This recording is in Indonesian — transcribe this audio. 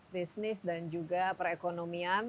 bisnis dan juga perekonomian